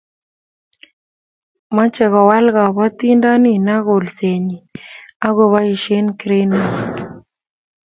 mechei kowal kabotinde nino kolsenyin akuboisie greenhouse